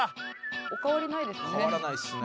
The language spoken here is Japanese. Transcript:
「お変わりないですね」